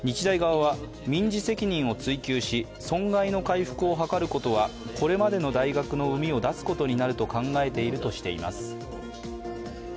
日大側は民事責任を追及し、損害の回復を図ることはこれまでの大学のうみを出すことになると考えているとしています。